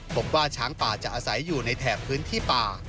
พบว่าช้างป่าจะอาศัยอยู่ในแถบพื้นที่ป่า